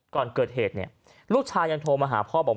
ก่อนเกิดเหตุเนี่ยลูกชายยังโทรมาหาพ่อบอก